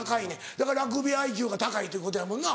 だからラグビーＩＱが高いということやもんな。